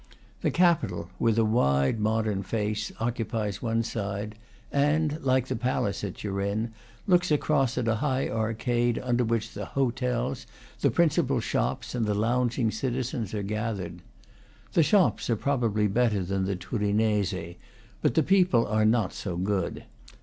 The Capitol, with a wide modern face, occupies one side, and, like the palace at Turin, looks across at a high arcade, under which the hotels, the principal shops, and the lounging citizens are gathered. The shops are probably better than the Turinese, but the people are not so good.